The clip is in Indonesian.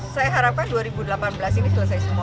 saya harapkan dua ribu delapan belas ini selesai semua